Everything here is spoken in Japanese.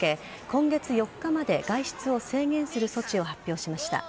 今月４日まで外出を制限する措置を発表しました。